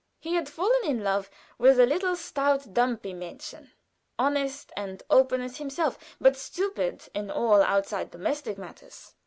He had fallen in love with a little stout dumpy Mädchen, honest and open as himself, but stupid in all outside domestic matters.